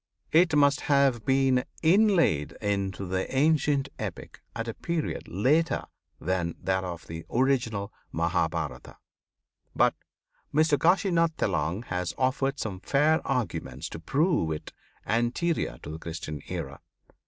It must have been inlaid into the ancient epic at a period later than that of the original Mahabharata, but Mr Kasinath Telang has offered some fair arguments to prove it anterior to the Christian era.